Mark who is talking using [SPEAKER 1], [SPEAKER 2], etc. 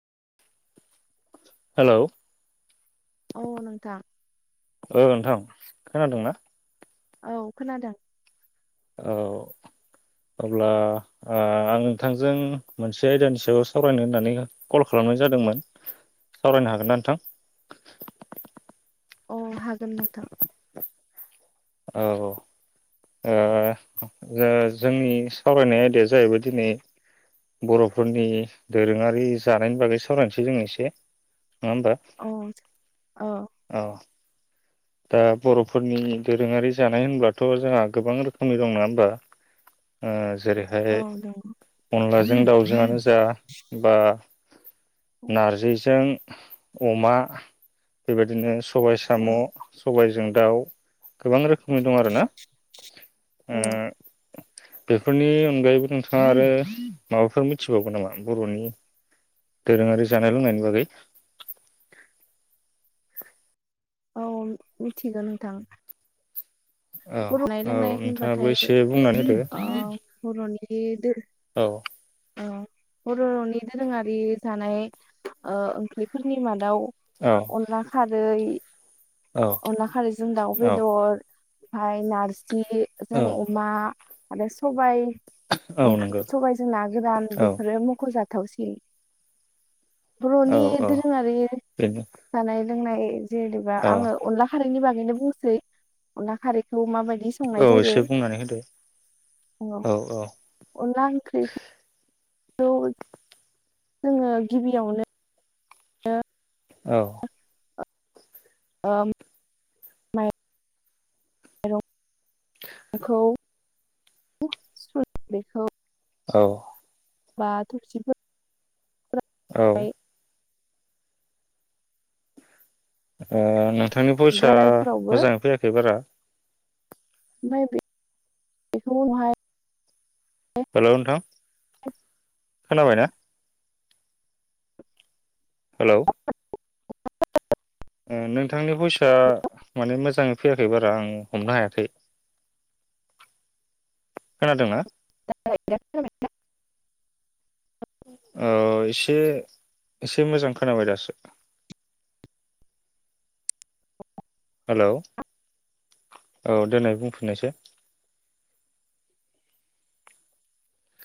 [SPEAKER 1] Hello
[SPEAKER 2] औ नोंथां।
[SPEAKER 1] ओ नोंथां खोनादोंना?
[SPEAKER 2] औ खोनादों।
[SPEAKER 1] औ अब्ला आं नोंथांजों मोनसे आयदानि सायाव सावरायनो होननानै कल खालामनाय जादोंमोन। सावरायनो हागोन ना नोंथां?
[SPEAKER 2] अ हागोन नोंथां।
[SPEAKER 1] औ ओ जोंनि सावरायनाय आयदाया जाहैबाय दिनै बर'फोरनि दोरोङारि जानायनि बागै सावरायनोसै जोंङो एसे। नङा होमबा?
[SPEAKER 2] औ औ
[SPEAKER 1] औ दा बर'फोरनि दोरोङारि जानाय होनब्लाथ' जोंहा गोबां रोखोमनि दं नङा होमबा? ओ जेरैहाय
[SPEAKER 2] औ दङ
[SPEAKER 1] अनला जों दाउजोंनो जा बा नारजिजों अमा बेबायदिनो सबाय
[SPEAKER 2] औ
[SPEAKER 1] साम' सबायजों दाउ। गोबां रोखोमनि दं आरोना। ओ
[SPEAKER 2] औ
[SPEAKER 1] बेफोरनि अनगायैबो नोंथाङा आरो माबाफोर मिथिबावगोन नामा बर'नि दोरोङारि जानाय लोंनायनि बागै?
[SPEAKER 2] औ मिथिगो नोंथां।
[SPEAKER 1] ओ
[SPEAKER 2] बर' जानाय
[SPEAKER 1] औ
[SPEAKER 2] लोंनाय
[SPEAKER 1] नोंथाङाबो
[SPEAKER 2] होनबाथाय
[SPEAKER 1] एसे बुंनानै होदो।
[SPEAKER 2] ए दो
[SPEAKER 1] औ।
[SPEAKER 2] ओ बर' रावनि दोरोङारि जानाय ओ ओंख्रिफोरनि मादाव
[SPEAKER 1] औ
[SPEAKER 2] अनला खारै
[SPEAKER 1] औ
[SPEAKER 2] अनला खारै जों दाउ बेदर हाय नारजि जि
[SPEAKER 1] औ
[SPEAKER 2] जों अमा आरो सबाय
[SPEAKER 1] औ नंगौ
[SPEAKER 2] ओंख्रि सबायजोंना गोरान
[SPEAKER 1] औ
[SPEAKER 2] बेफोरो मख'जा थावसिन।
[SPEAKER 1] औ
[SPEAKER 2] बर'नि
[SPEAKER 1] औ
[SPEAKER 2] दोरोङारि
[SPEAKER 1] बेनो
[SPEAKER 2] जानाय लोंनाय जेनेबा
[SPEAKER 1] औ
[SPEAKER 2] आङो अनला खारै नि बागैनो बुंसै अनला खारि खौ माबायदि संनाय
[SPEAKER 1] औ
[SPEAKER 2] जायो।
[SPEAKER 1] एसे बुंनानै होदो औ
[SPEAKER 2] [unintelligible] अनला ओंख्रि खौ जोङो गिबियावनो नो
[SPEAKER 1] औ।
[SPEAKER 2] ओम [unintelligible]
[SPEAKER 1] औ।
[SPEAKER 2] बा थुसिफोर
[SPEAKER 1] औ। ओ नाथाइ नोंनि फइसा
[SPEAKER 2] ग्राइडारफोरावबो
[SPEAKER 1] मोजाङै फैयाखै बारा।
[SPEAKER 2] ओमफाय बेखौ उनावहाय
[SPEAKER 1] हेलौ नोंथां
[SPEAKER 2] [unintelligible]
[SPEAKER 1] खोनाबायना? हेलौ ओ नोंथांनि बइसा माने मोजाङै फैयाखै बारा आं हमनो हायाखै। खोनादोंना?
[SPEAKER 2] [unintelligible]
[SPEAKER 1] औ एसे एसे मोजां खोनाबाय दासो। हेलौ औ देनाय बुंफिननायसाय।